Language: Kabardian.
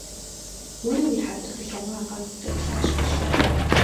- Уэри уи хьэтыр къилъэгъуакъэ? - къеплъащ мыщэр.